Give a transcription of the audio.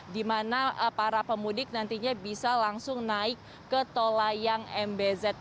di mana para pemudik nantinya bisa langsung naik ke tol layang mbz